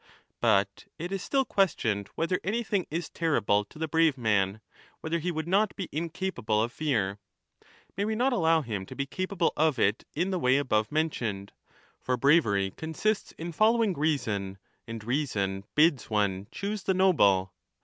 ^ But it is still questioned whether anything is terrible to the brave man, whether he would not be incapable of fear. May we not allow him to be capable of it in the way above mentioned ? For bravery c onsists in following reason, and 1229^ reason bids on e choose the noble.